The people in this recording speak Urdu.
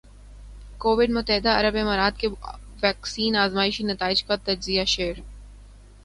کوویڈ متحدہ عرب امارات کے ویکسین آزمائشی نتائج کا تجزیہ شر